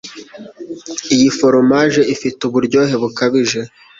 Iyi foromaje ifite uburyohe bukabije.